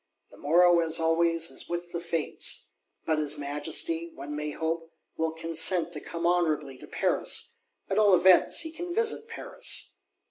The morrow, as always, is with the Fates! But his Majesty, one may hope, will consent to come honourably to Paris; at all events, he can visit Paris.